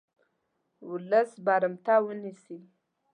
ولس برمته ونیسي.